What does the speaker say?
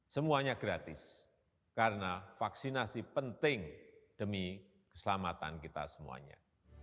semuanya gratis karena vaksinasi penting demi keselamatan kita semuanya